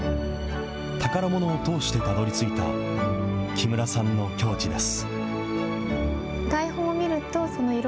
宝ものを通してたどりついた、木村さんの境地です。